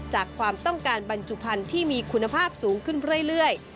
ความต้องการบรรจุภัณฑ์ที่มีคุณภาพสูงขึ้นเรื่อย